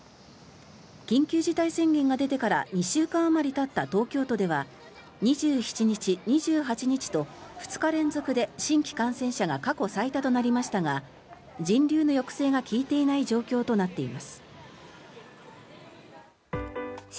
緊急事態宣言が出てから２週間あまりたった東京都では２７日、２８日と２日連続で新規感染者が過去最多となりましたが人流の抑制が利いていない状況となっています。